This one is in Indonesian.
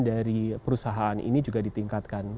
dari perusahaan ini juga ditingkatkan